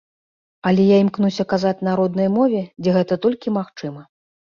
Але я імкнуся казаць на роднай мове, дзе гэта толькі магчыма.